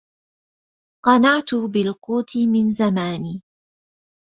قنعت بالقوت من زماني